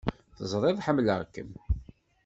Teẓriḍ ḥemmleɣ-kem!